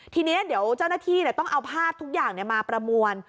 ทีนี้เดี๋ยวเจ้าหน้าที่ต้องเอาภาพทุกอย่างมาประมวล